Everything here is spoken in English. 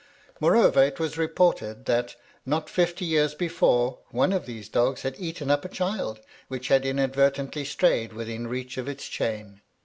Moreover, it was reported that, not fifty years before, one of these dogs had eaten up a child, which had inadvertently strayed within reach of its chain.